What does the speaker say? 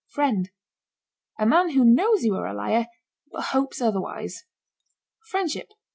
FRIEND. A man who knows you are a liar, but hopes otherwise. FRIENDSHIP.